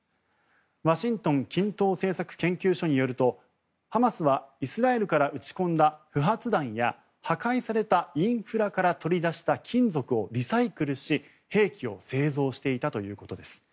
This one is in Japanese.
ワシントン近東政策研究所によるとハマスはイスラエルから撃ち込んだ不発弾や破壊されたインフラから取り出した金属をリサイクルし兵器を製造していたということです。